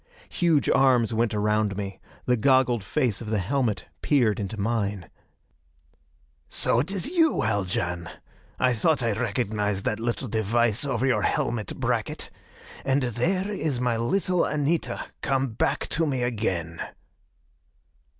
Huge arms went around me. The goggled face of the helmet peered into mine. "So it is you, Haljan! I thought I recognized that little device over your helmet bracket. And there is my little Anita, come back to me again!"